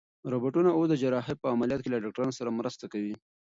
روبوټونه اوس د جراحۍ په عملیاتو کې له ډاکټرانو سره مرسته کوي.